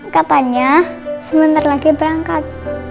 katanya sebentar lagi berangkat